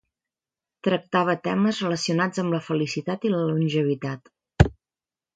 Tractava temes relacionats amb la felicitat i la longevitat.